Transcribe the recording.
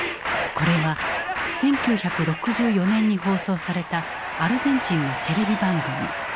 これは１９６４年に放送されたアルゼンチンのテレビ番組。